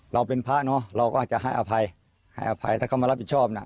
เราเป็นพระเนอะเราก็อาจจะให้อภัยให้อภัยถ้าเขามารับผิดชอบน่ะ